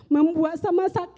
membuat sama sakit hati saya bapak